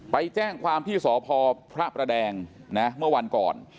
ไปแจ้งความที่สพพระประแดงนะเมื่อวันก่อน